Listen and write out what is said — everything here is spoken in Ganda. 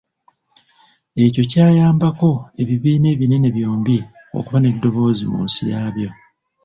Ekyo kyayambako ebibiina ebinene byombi okuba n'eddoboozi mu nsi yaabyo.